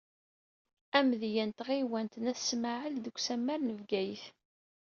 Amedya n tɣiwant n Ayt Smaɛel, deg usamar n Bgayet.